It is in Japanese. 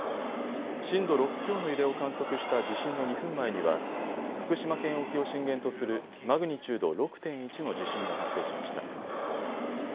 震度６強の揺れを観測した２分前には福島県沖を震源とするマグニチュード６．１の地震が発生しました。